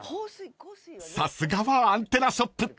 ［さすがはアンテナショップ